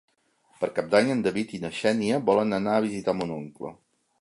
Per Cap d'Any en David i na Xènia volen anar a visitar mon oncle.